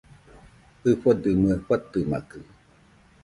ɨfodɨmɨe fatɨmakɨ